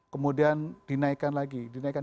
kemudian dinaikkan lagi